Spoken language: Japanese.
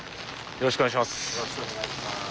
よろしくお願いします。